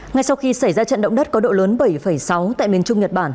ngay sau khi xảy ra trận động đất có độ lớn bảy sáu tại miền trung nhật bản